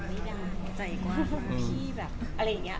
พี่ทำไม่ได้